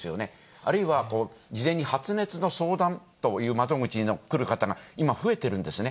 あるいは、事前に発熱の相談という窓口に来る方が今、増えてるんですね。